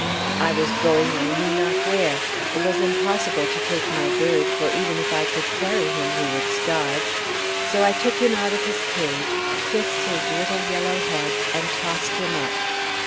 I was going I knew not where; it was impossible to take my bird, for even if I could carry him, he would starve. So I took him out of his cage, kissed his little yellow head, and tossed him up.